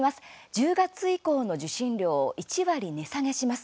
１０月以降の受信料を１割値下げします。